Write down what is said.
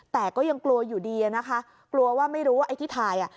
แต่ก็ยังกลัวอยู่ดีอะนะคะกลัวว่าไม่รู้ว่าไอ้ที่ถ่ายอ่ะ